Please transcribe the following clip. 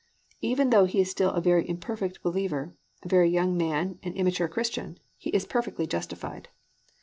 Even though he is still a very imperfect believer, a very young man and immature Christian, he is perfectly justified.